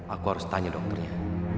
aku harus tanya dokternya